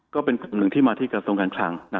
ก็เป็นกรุ่มนึงที่มาที่กระทงครั้งนะคะ